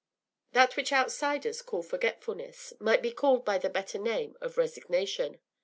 That which outsiders call forgetfulness might be called by the better name of resignation.